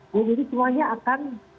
ya jadi semuanya akan